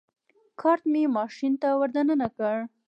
کارټ مې ماشین ته ور دننه کړ.